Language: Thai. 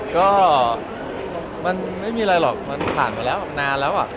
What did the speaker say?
ก็มันไม่มีอะไรหรอกมันผ่านไปแล้วมันนานแล้วอ่ะ